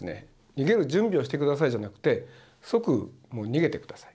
逃げる準備をしてくださいじゃなくて即逃げてください。